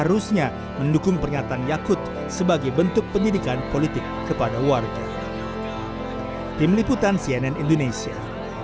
seharusnya mendukung pernyataan yakut sebagai bentuk pendidikan politik kepada warga